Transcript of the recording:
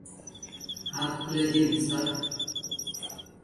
হাত খুলে দিন, স্যার।